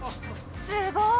すごい！